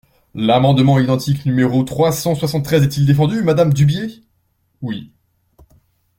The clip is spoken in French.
» L’amendement identique numéro trois cent soixante-treize est-il défendu, madame Dubié ? Oui.